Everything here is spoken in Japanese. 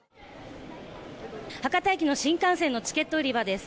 博多駅の新幹線のチケット売り場です。